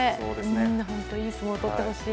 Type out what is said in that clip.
いい相撲を取ってほしい。